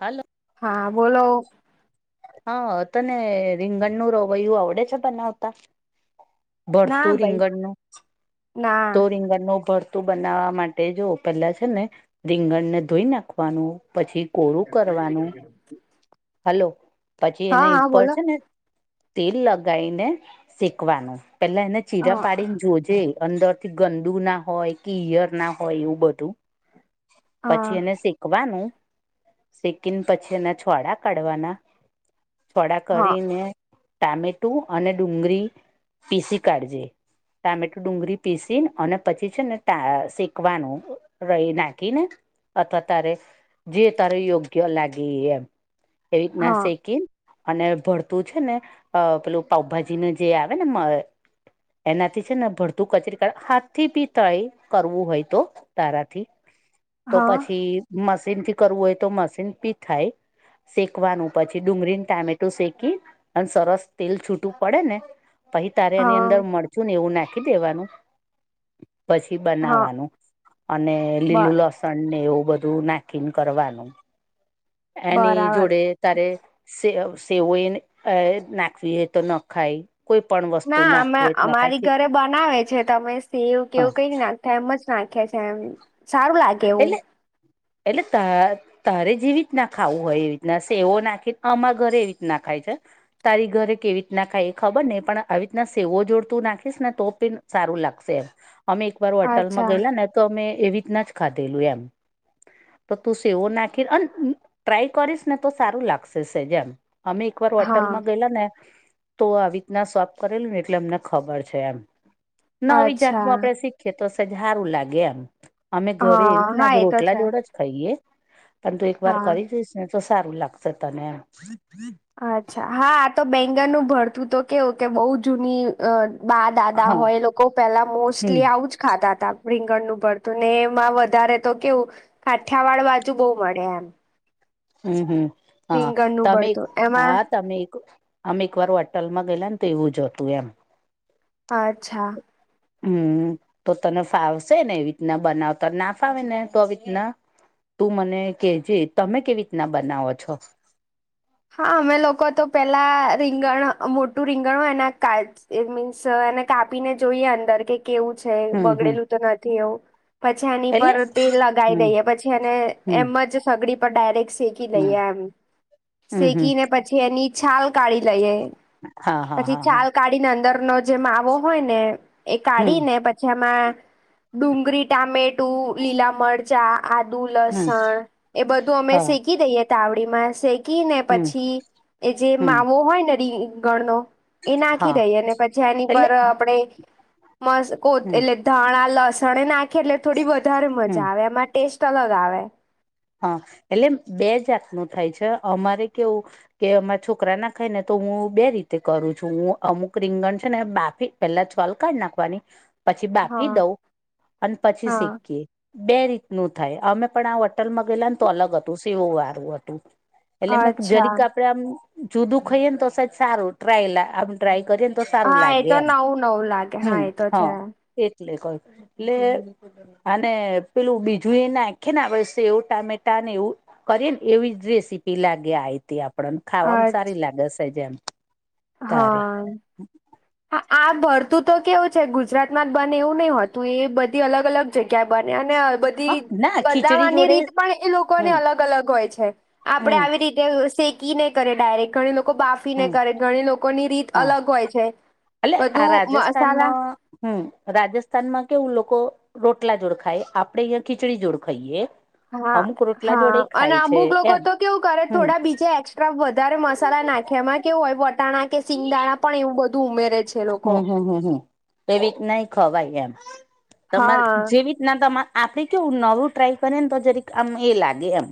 હાલો હા બોલો હા તને રીંગણનું રવૈયું આવડે છે બનાવતા. ભરતું ના ભાઈ રીંગણનુ ના તો રીંગણ ન ભરતું તું બનાવવા માટે જો પેલા છે ને રીંગણ ને ધોઈ નાખવાનું પછી કોરું કરવાનું [unintelligible] હલો પછી હા એને યે હા ઉપર બોલો છે ને. તેલ લગાઈને શેકવાનું પેલા એને ચીરા હા પાડીને જોજે અંદર થી ગંદુ ના હોય કે. ઈયાર ના હોય એવું બધું હા પછી એને શેકવાનું શેકીને પછી એના છોડા કાઢવાના. પોડા હા કરીને ટામેટું અને ડુંગળી પીસી કાઢજે ટામેટું ડુંગરી. પીસીનઅને પછી છે ને શેકવાનું રઈ નાખી ને. અથવા તારે જે તારે યોગ્ય લાગે એમ એ રીતના હા શેકીન અને ભરતું છે નેઅ પેલું પાઉભાજી નું જે આવે ને મ એનાથી છે ને ભડતું કચરી હાથ થીભી થાય કરવું હોય તો તારાથી તો હા પછી મશીન થી કરવું હોય તો મશીન થી થાય. શેકવાનું પછી ડુંગળીને ટામેટું શેકી ને સરસ તેલ છૂટું પડે ને. પછી તારે એની હા અંદર મરચું ને એવું નાખી દેવાનું. પછી હા બનાવાનું અને બ લીલું લસ સણન એવું બધું નાખીને કરવાનું એની બરાબર જોડે તારે સેવ સેવ હોયને તારે નાખવી હોઈ તો નખાય. કોઈ પણણવા [unintelligible] ના અમે અમારી ઘરે બનાવે છે તમે સેવ કે હા કેવું કઈ નાખ એમજ નાખીઈ છે એમ સારું લાગે એવું. એટલે [unintelligible] તારે જેવી રિતના ખાવું હોય એવી રીતના સેવો નાખી આમારે ઘરે એવી રીતના ખાય છે. તારી ઘરે કેવી રીત ના ખાય એ ખબર નેહિ પણ આવી રીતના સેવો જોડતું નાખીશ ને તો પણી સારૂ લાગશે. અમે એકવાર હોટલમાં અચ્છા ગયેલા ને તો અમે એવી રીતના જ ખાધેલું એમ. તો તું સેવો નાંખી અન ટ્રાય કરીશ ને તો સારું લાગશે સેજ એમ અમે એક વાર હા હોટલમાં ગયેલા ને તો આવી રીતના સર્વ કરેલું ને એટલે અમને ખબર છે એમ. નવી જાતનું અચ્છા આપડે શીખીએ તો સે જ હારું લાગે એમ અમે ઘરે એવી હા હા રીતના જ એ તો રોટલા છે જોડે જ ખઈએ પણ તું એક વાર હા કરી જોઈશ ને તો સારું લાગશે તને એમ અચ્છા હા આતો બેંગનનું ભરતું તો કેવું કે બવ જૂની અ બા દાદા હા હોય એ લોકો પહેલા હમ મોસ્ટલી આવું જ ખાતા તા રીંગણનું ભરતું ને એમાં વધારે તો કેવું કાઠિયાવાડ બાજુ બવ મળે એમ. હમ હમ હા રીંગણનું તમે ભરતું હા એમાં તમે [unintelligible] અમે એક વાર હોટલ માં ગયેલાને તો એવું જ હતું એમ હા અચ્છા. હમ તો તને ફાવશે ને એ રીતના બનાવતા ના ફાવે ને તો આવી રીતના તું મને કેજે તમે કેવી રીતના બનાવો છો? હા અમે લોકો તો પેલા રીંગણ મોટું રીંગણ હોય એના કા એ મીન્સ એને કાપીને જોઈએ અંદર કે કેવું છે હમ હમ બગડેલું તો નથી એવું. પછી એની એટલે પર તેલ લગાવી હમ દઈએ પછી એને હમ એમ જ સગડી પર ડાયરેક્ટ શેકી હમ દઈએ એમ હમ હમ શેકીને પછી એની છાલ કાઢી લઈએ હા હા પછી હા હા છાલ કાઢીને અંદર નો જે માવો હોય ને એ હમ કાઢી ને પ જેમાં ડુંગળી ટામેટું લીલા મરચાં આદુ હમ લસણ એ બધું અમે હા શેકી દઈએ તાવડી માં શે ઈએ ને હમ પછી એ જે હમ માવો હોય ને રીંગણનો એ નાખી હા દઈએ અને પછી એની એટલે પર આપણે મસ્ કો હમ એટલે ધાણા લસણ એ નાખે એટલે થોડી વધારે હમ મજા આવે એમાં ટેસ્ટ અલગ આવે. હ એટલે બે જાતનું થાય છે અમારે કેવું? કે અમારા છોકરા ના ખાય ને તો હું બે રીતે કરું છું હું અમુક રીંગણ છે ને બાફી પેલા છોલ કાઢ નાખવાની પછી બાફી હા દઉં અને પછી હા શેકીએ. બે રીતનું થાય અમે પણ આ હોટલમાં ગયેલા ને તો અલગ હતું સેવું વારું હતું એટલે મે અચ્છા જરીક આપણે આમ જુદું ખઈએ ને તો સે જ સારું ટ્રાય આ ટ્રાય કરીએ ને તો સારું હા એ લાગે તો એમ નવું નવું લાગે હા હમ એ તો હ. છે એટલે કહ્યું એટલે અને પેલું બીજું એ નાંખ્યે ને આપ એવું ટામેટા ને એવું કરીએ ને એવી જ રેસીપી લાગે આ ઈ [unintelligible] તે આપ. [unintelligible] આપડને ખાવામાં અચ્છ સારી લાગે સે જ એમ. તારે હા આ. આ ભરતું તો કેવું છે ગુજરાત માં જ બને એવું નહિ હોતું એ બધી અલગ અલગ જગ્યાએ બને અને બ ધી હા ના ખીચડી બનાવાની જોડે રીત પણ, એ લોકોને હમ અલગ અલગ હોય છે. આપણે હમ આવી રીતે શેકી ને કરીએ. ડાયરેક્ટ ઘણી લોકો બાફી ને હમ કરે ઘણી લોકોની રીત હા અલગ હોય છે. એટલે આ બધું મસાલા રાજસ્થાનમાં હમ. રાજસ્થાનમાં કેવું લોકો રોટલા જોડ ખાય આપડે અહિયા ખીચડી જોડ ખઈએ. હા હા અને અમુક લોકો એમ તો કેવું કરે હમ થોડા બીજે એક્સ ટ્રા વધારે મસાલા નાખ્યા એમાં કેવું હોય વટાણા કે સિંગદાણા પણ એવું બધું ઉમેરે છે. એ લોકો હ હ એવી રીતના ય ખવાય એમ તમાર હા જેવી ન તો આપણે કેવું નવું ટ્રાય કરીએને તો જરી આમ એ લાગે એમ.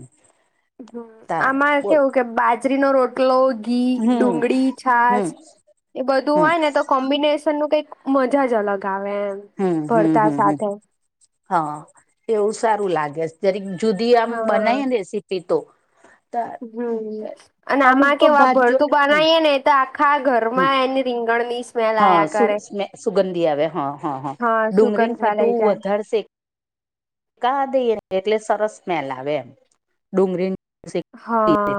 હમ તારે આમાં બોલ કેવુ કે બાજરીનો રોટલો જ ઘી હમ ડુંગળી છાસ હમ એ બધું હમ હોય ને તો કો કોમ્બિનેશનનું કઈક મજા જ અલગ આવે. એમ હમ હમ ભરતા હમ હ સાથે હા એવું સારું લાગે છે. જરીક જુદી આમ હા બનાય રેસીપી તો. ત હમ અને અમુક આમાં તો કેવું આ [unintelligible] ભરતું બનાવીએ ને તો આખા ઘરમાં એની રીંગણની સ્મેલ હા આયા સુ કરે [unintelligible] સુગંધી આવે હા હા હા. સુગંધ ડુંગળીને મેં ફેલાઈ કહ્યું જાય વધારે શે. કા દઈએ એટલે સરસ સ્મેલ આવે એમ ડુંગળી હા.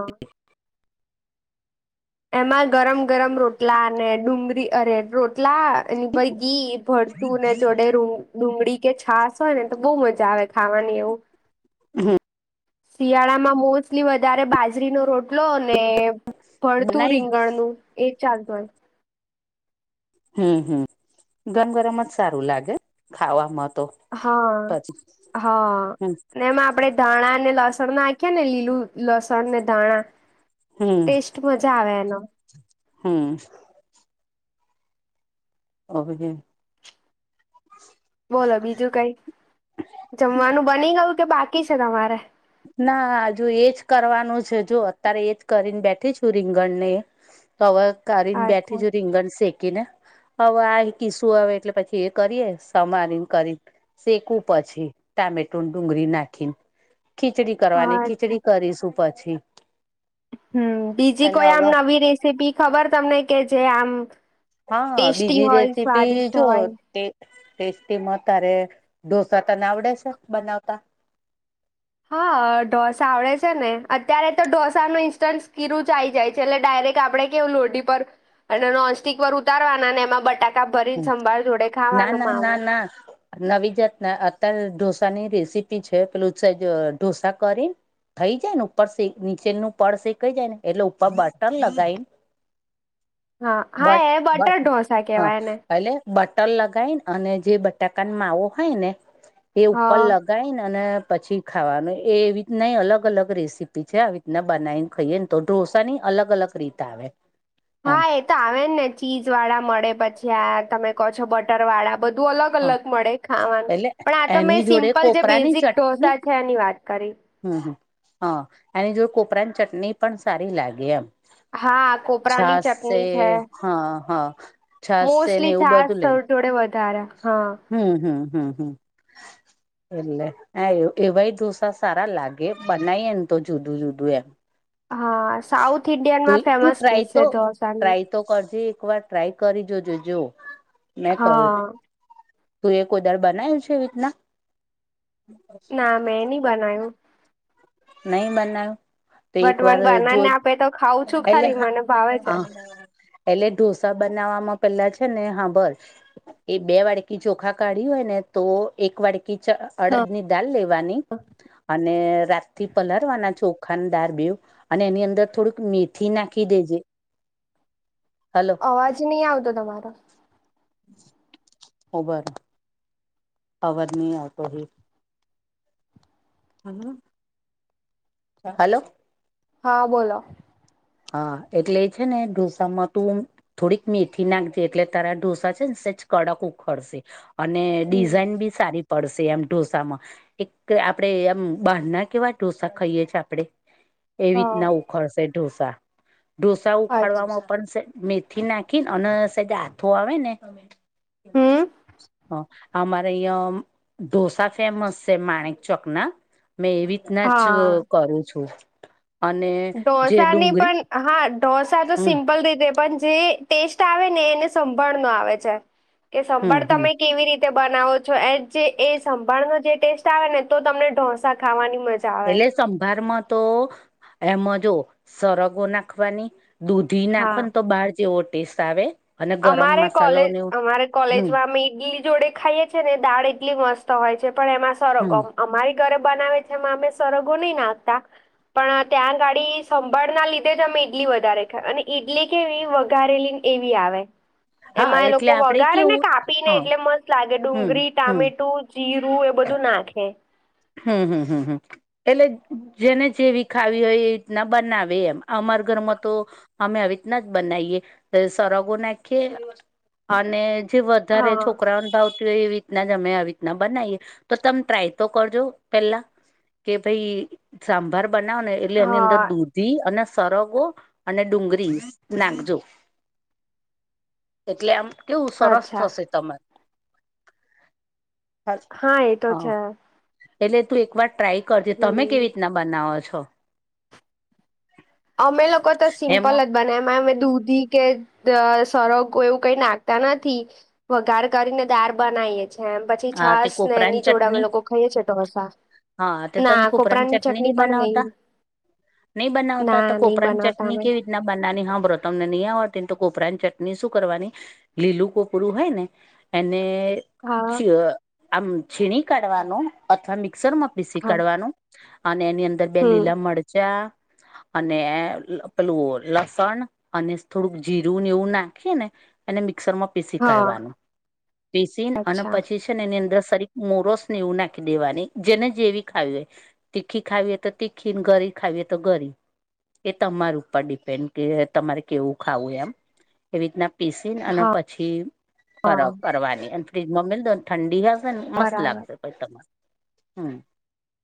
એમાં ગરમ ગરમ રોટલા અને [unintelligible] અરે રોટલા. અને પાઈ ગી ભરતું ને જોડે ડુંગળી કે છાસ હોય ને, તો બહુ મજા આવે ખાવાની શિયાળામાં મોસ્ટલી વધારે બાજરીનો રોટલો અને ભળતું બનાવી રીંગણનું એજ હમ હમ ગરમ ગરમ જ સારું લાગે ખાવામાં તો. હા. પછી હા. હમ એમાં આપડે ધાણા અને લસણ નાખી ને લીલું લસણને ધાણા ટેસ્ટ મજા આવે એનો હમ. [inaudible] બોલો બીજું કઈ જમવાનું બની ગયું કે બાકી છે. તમારે ના હ જો એજ કરવાનું છે, જો અત્યારે એજ કરીને બેઠી છું. રીંગણ ને ત [unintelligible] કારી બેઠી અચ્છા જો રીંગણ સેખ. ને હવે આ કી શું આવે એટલે પછી એ કરીએ સમારીને કરી શેકું પછી ટામેટો ડુંગળી નાખીને ખીચડી કરવાની ખીચડી અચ્છા કરીશું પછી હમ બીજી એટલે કોઈ આમ હવે નવી રેસીપી ખબર તમને કે જે આમ હા ટેસ્ટી બીજી હોય રેસીપી સ્વાદિષ્ટ જો હોય ટેસ્ટીમાં તારે ઢોસા તને આવડે છે. બનાવતા હા ઢોસા આવડે છે, ને અત્યારે તો ઢોસા ન ઇન્સ્ટન્ટ [unintelligible] જાય. એટલે ડાયરેક્ટ આપડે કેવું લોઢ પર અને નોનસ્ટક પર ઉતારવાના ને એમાં ભરીને સંભાળ જોડે ખાવાનું માવો. હા. નવી જાતના અત્યારે ઢોસાની રેસીપી છે, પેલું છે, ઢોસા કરી. થઈ જાય ને ઉપરી નીચેનું પળ શેખઈ જાય ને, એટલે ઉપર બટન લગાવીને હા, હા, એ બટર ઢોસા કેવાય એને. પેલ્લે બટર લગાઈને અને જે બટાકાન માવો હોય ને એ ઉપર હા લગ ગાઈને અને પછી ખાવાનું, એવી રીતના એ અલગ-અલગ રેસીપી છે, આવી રીતના બનાવીને ખઈએ ને તો ઢોસાની અલગ-અલગ રીત આવે. એમ હા, એ તો આવે ને, ચીઝ વાળા મળે પછી આ તમે કહો છો બટર વાળા. બધું હા અલગ-અલગ મળે ખાવાનું. એટલે પણ આ તો મેં એની જોડે સિમ્પલ જે બેઝિક ઢોસા છે એની વાત કરી. હુમ્મ, હુમ્મ, હ, એને જો કોપરાની ચટની પણ સારી લાગે એમ. હા, કોપરાની ચટની છે. હ, હ, મોસ્ટલી છાસ સર ઢોળે વધારે, હ, હુમ, હુમ, હુમ, હુમ, એટલે હા, એવું, એવાય ઢોસા સારા લાગે બનાઈએને તો જુદું જુદું એમ. હા, સાઉથ તું ઇન્ડિયનમાં તું ફેમસ ટ્રાય ડિશ તો શે ઢોસાની. ટ્રાય તો કશી એક વાર ટ્રાય કરી જોજો જો. હા... તુંયે કોય દાળ બનાયવુ છે, એવી રીતના? ના, મેં ની બનાયું. નઈ બનાવ. તે એક બટ વાર મને જો બનાવીને આપે તો ખાઉં છું એટલે ખરી હા, મને ભાવે છે આહ. એટલે ઢોસા બનાવવામાં પેલા છે ને, હાંભળ. એ બે વાડકી ચોખા કાઢ્યું હોય ને. તો, એક વાડકી ચ હા, અડદની દાલ લેવાની અને રા થી પલાળવાના ચોખાા ને દાર બેવ અને એની અંદર થોડુંક મેથી નાખી દેજે. હાલો! અવાજ નહીં આવતો તમારો. ઉભા રો. અવાજ ની આવતો હીં. હમ હ. હાલો! હા, બોલો. હા, એટલે એ છે ને ઢોસા માં તુ. થોડીક મેથી નાખજે, એટલે તારા ઢોસા છે ને સેજ કડક ઉખડશે. અને હમ ડિઝાઇન બી સારી પડશે એમ ઢોસામાં. એક, આપડે એમ, બહાર ના કેવા ઢોસા ખઈએ છે આપડે? એવી હા રીતના ઉખડશે ઢોસા. ઢોસા અચ્છા ઉખાડવામાં પણ સેજ, મેથી નાખીન અને સેજ આથો આવે ને. સીસીસ હમ સીસ. [inaudible] હ, અમારે ઐયા ઢોસા ફેમસ છે માણેક ચોકના મેં એવી. ના ચ હા [unintelligible] કરું છું અને જે ઢોસાની ડુંગરી. પણ હા, ઢોસા તો સિમ્પલ રીતે પન જે. ટેસ્ટ આવે ને એને સંભાળ નો આવે છે, કે હમ સંભાળ હમ તમે કેવી રીતે. બનાવો છો એ જે એ સંભાળનો જે ટેસ્ટ આવે ને તો તમને ઢોસા ખાવાની મજા [unintelligible] એટલે સંભારમાં તો એમ જો સરગવો નાખવાની દૂધ [unintelligible] ધી નાખો હા ન તો બાર જેવો ટેસ્ટ આવે અને ગરમ અમારે મસાલો કોલેજ ને અમારે હમ કોલેજમાં અમે ઈડલી જોડે ખાઈએ છે, ને દાળ એટલી મસ્ત હોય છે, પણ એમાં હમ સરગમ અમારી ઘરે બનાવે છે, એમાં અમે સરગો નઈ નાખતા પણ ત્યાં આગાડી સંભાળના લીધે જ અમે ઈડલી વધારે ખાય અને ઈડલી કેવી વધઘારેલી એવી આવે હા એમાં એ એટલે લોકો આપડે વગારે ને કેવું કાપીને હા એટલે મ લાગે હમ ડુંગરી, હમ ટામેટું, જીરું, એ બધું નાખે હમ હમ હમ હમ એટલે જેને જેવી ખાવી હોય એ રીતના બનાવે એમ અમારા ઘરમાં તો અમે આવી રીતના જ બનાઇએ સરગવો નાખીએ અને... જે વધારે હા છોકરાઓને ભાવતી હોય એવી રીતના અમે આવી રીતના બનાવીએ તો તમે ટ્રાય તો... કરજો પેલા કે ભાઈ સાંભાર બનાવ ને એટલે એની અંદર હા દૂધ.. ધી અને સરગો અને ડુંગરી નાખજો. એટલે આમ કેવું સરસ અચ્છા થશે તમારું. હા, એ તો છે. એટલે તું એક વાર ટ્રાય કરજે. તમે હમ કેવી રીતના બનાવો છો? અમે લોકો તો સિમપલ એમાં જ... બનામાં દૂધી કે સરગવો એવું કઈ નાખતા નથી. વઘાર કરીને દા બનાવીએ છે એમ. પછી હા તે છાસ ને કોપરાની એની જોડા અમે ચટણી લોકો ખાઈએ છીએ તો હસા... હા તે તમે ના કોપરાની ચટણી પણ નહી. બનાવતા નહી બનાવતા ના તો નહી કોપરાની બનાવતા ચટણી અમે કેવી... બનાની હાભરો તમને નહીં આવડતીને કોપરાની ચટણી શું કરવાની... લીલું કોપરું હોય ને એને... હા છ આમ છીણી કાઢવાનું અથવા મિક્સરમાં પીસી હા કાઢવાનું. અને એની અંદર બે હમ લીલા મરચા... અને પેલું લસણ અને થોડુંક જીરું ને એવું નાખીએ ને... મિક્સર માં પીસી હા કાઢવાની પીસી અને અચ્છા પછી... ને એની અંદર સરી મોરોસને એવું નાખી દેવાની જેને જેવી ખાવી હોય એવું... તીખી ખાવી હોય તો તીખી ગરી ખાવી હોય તો ગરી... એ તમાર ઉપર ડિપેન્ડ કે તમારે કેવું ખાવું એમ... એવી રીતના પીસીને અને હા પછી હા [unintelligible] કરવાની અને ફ્રીજમાં ઠંડી... મસ્ત બરાબર લાગશે પછ તમારે...